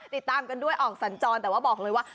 ติดตามกันด้วยออกสัญจรแต่ว่าบอกเลยว่า